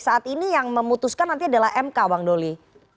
saat ini yang memutuskan nanti adalah mk bang doli